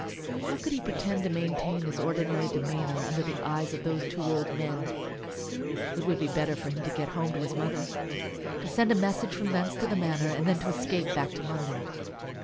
How could he pretend to maintain his ordinary demeanour under the eyes of those two old men? It would be better for him to get home to his mother, to send a message from thence to the Manor, and then to escape back to London.